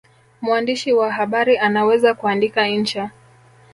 Mwandishi wa habari anaweza kuandika insha